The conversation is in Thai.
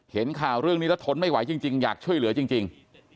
เห็นข่าวเรื่องนี้แล้วทนไม่ไหวจริงอยากช่วยเหลือจริง